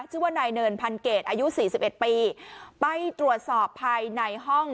ชื่อว่านายเนินพันเกตอายุ๔๑ปีไปตรวจสอบภายในห้อง